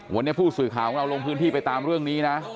วันนี้ผู้สื่อข่าวของเราลงพื้นที่ไปตามเรื่องนี้นะ